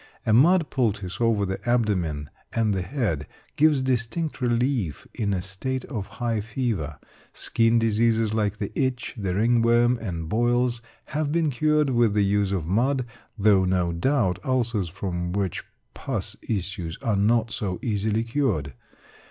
A mud poultice over the abdomen and the head, gives distinct relief in a state of high fever. Skin diseases like the itch, the ringworm, and boils, have been cured with the use of mud, though no doubt ulcers from which pus issues are not so easily cured.